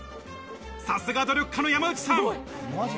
さすが努力家の山内さん！